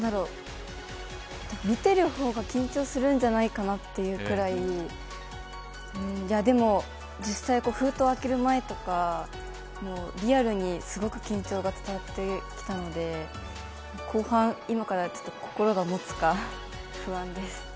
見てる方が緊張するんじゃないかなというくらい、でも実際、封筒を開ける前とかリアルにすごく緊張が伝わってきたので、後半、今からちょっと心がもつか不安です。